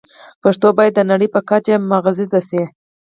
پښتو باید د نړۍ په کچه معزز شي.